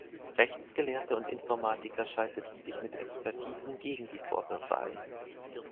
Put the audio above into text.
Rechtsgelehrte und Informatiker schalteten sich mit Expertisen gegen die Vorwürfe ein.